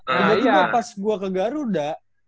jadi pas gue ke garuda